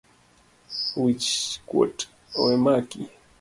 Wich kuot owemaki